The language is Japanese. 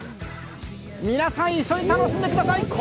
皆さん、一緒に楽しんでください。